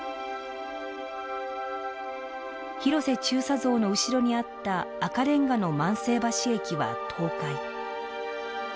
広瀬中佐像の後ろにあった赤レンガの万世橋駅は倒壊。